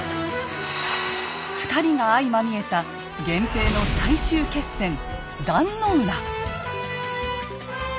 ２人が相まみえた源平の最終決戦壇の浦。